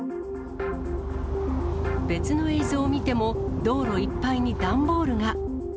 別の映像を見ても、道路いっぱいに段ボールが。